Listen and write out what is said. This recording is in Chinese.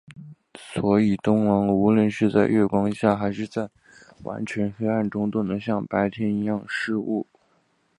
所以冬狼无论是在月光下还是在完全黑暗中都能像白天一样视物。